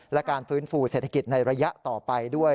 และการฟื้นฟูเศรษฐกิจในระยะต่อไปด้วย